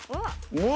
うわ！